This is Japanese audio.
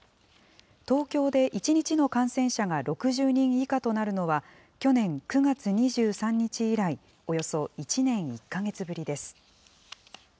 東京で１日の感染者が６０人以下となるのは、去年９月２３日以来、およそ１年１か月ぶりです。